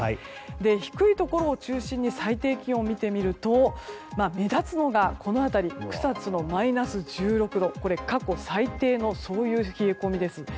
低いところを中心に最低気温を見てみると目立つのが草津のマイナス１６度これ、過去最低のそういう冷え込みです。